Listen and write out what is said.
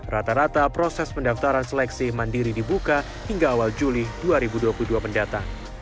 rata rata proses pendaftaran seleksi mandiri dibuka hingga awal juli dua ribu dua puluh dua mendatang